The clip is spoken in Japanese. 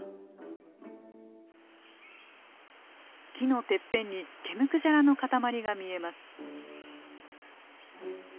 木のてっぺんに毛むくじゃらの塊が見えます。